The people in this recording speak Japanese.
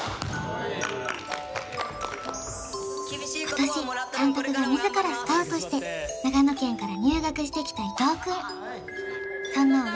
今年監督が自らスカウトして長野県から入学してきた伊東くん